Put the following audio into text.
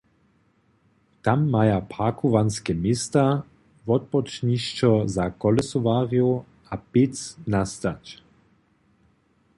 Tam maja parkowanske městna, wotpočnišćo za kolesowarjow a pěc nastać.